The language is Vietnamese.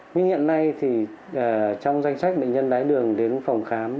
nhưng hiện nay thì trong danh sách bệnh nhân đáy đường đến phòng khám